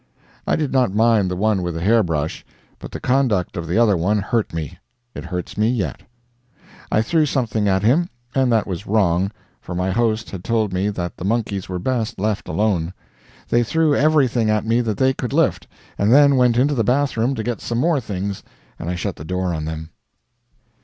I did not mind the one with the hair brush, but the conduct of the other one hurt me; it hurts me yet. I threw something at him, and that was wrong, for my host had told me that the monkeys were best left alone. They threw everything at me that they could lift, and then went into the bathroom to get some more things, and I shut the door on them.